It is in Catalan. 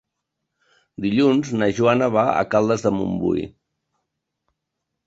Dilluns na Joana va a Caldes de Montbui.